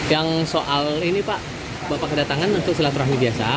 yang soal ini pak bapak kedatangan untuk silaturahmi biasa